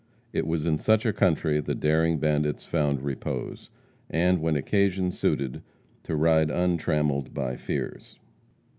It was in such a country the daring bandits found repose; and, when occasion suited, to ride untrammeled by fears.